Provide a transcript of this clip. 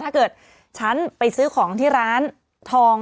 ถ้าเกิดฉันไปซื้อของที่ร้านทอง